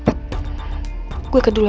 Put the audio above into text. oke gue harus samperin pak jajah duluan